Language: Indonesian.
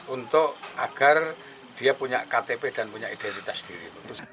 untuk agar dia punya ktp dan punya identitas diri